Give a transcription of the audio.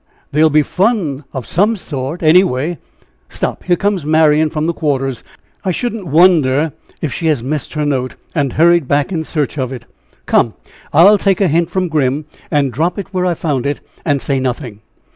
There'll be fun of some sort, anyway! Stop! here comes Marian from the quarters. I shouldn't wonder if she has missed her note, and hurried back in search of it. Come! I'll take a hint from Grim, and drop it where I found it, and say nothing."